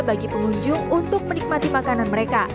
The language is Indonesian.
bagi pengunjung untuk menikmati makanan mereka